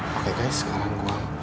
oke guys sekarang